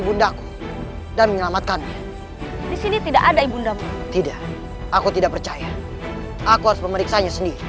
bundaku dan menyelamatkan di sini tidak ada ibu damu tidak aku tidak percaya aku harus pemeriksaan sendiri